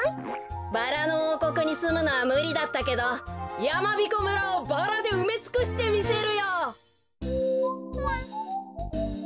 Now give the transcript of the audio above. バラのおうこくにすむのはむりだったけどやまびこ村をバラでうめつくしてみせるよ。